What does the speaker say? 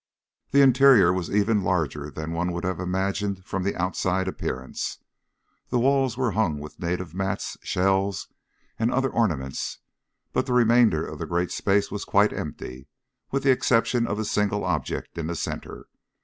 The interior was even larger than one would have imagined from the outside appearance. The walls were hung with native mats, shells, and other ornaments, but the remainder of the great space was quite empty, with the exception of a single object in the centre.